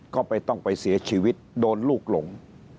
ก็ไปต้องไปเสียชีวิตโดนลูกหลง